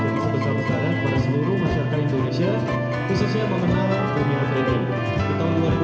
yang sebesar besaran pada seluruh masyarakat indonesia khususnya memenang dunia trading